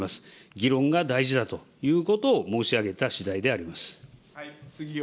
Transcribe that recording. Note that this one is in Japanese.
議論が大事だということを申し上げたしだいであります。